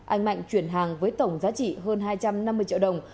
anh mạnh chuyển hàng với tổng giá trị hơn hai trăm năm mươi triệu đồng